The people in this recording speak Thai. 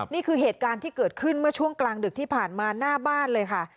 นี่คือเหตุการณ์ที่เกิดขึ้นเมื่อช่วงกลางดึกที่ผ่านมาหน้าบ้านเลยค่ะ